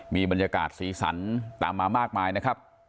มีบรรยากาศสีสันตามมามากมายนะครับ